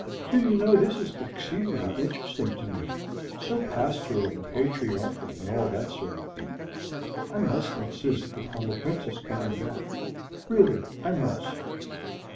Do you know this is exceedingly interesting to me, so pastoral and patriarchal and all that sort of thing. I must insist upon the Princess coming back; really, I must."